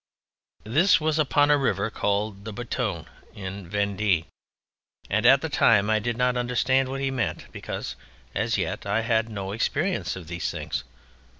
This was upon a river called Boutonne, in Vendée, and at the time I did not understand what he meant because as yet I had had no experience of these things.